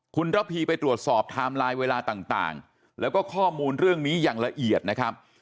คุณระพีไปตรวจสอบไทม์ไลน์เวลาต่างแล้วก็ข้อมูลเรื่องนี้อย่างละเอียดนะครับ